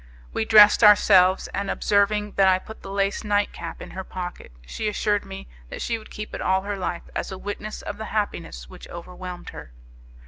We dressed ourselves, and observing that I put the lace night cap in her pocket she assured me that she would keep it all her life as a witness of the happiness which overwhelmed her.